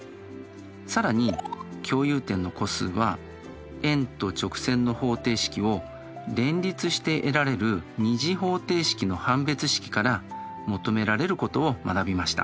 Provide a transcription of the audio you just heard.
更に共有点の個数は円と直線の方程式を連立して得られる２次方程式の判別式から求められることを学びました。